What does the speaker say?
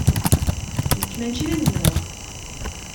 Nekk mačči d anelmad.